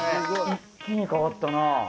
一気に変わったなぁ。